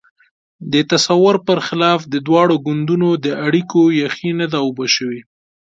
د تصور پر خلاف د دواړو ګوندونو د اړیکو یخۍ نه ده اوبه شوې.